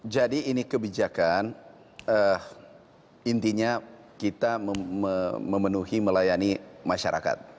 jadi ini kebijakan intinya kita memenuhi melayani masyarakat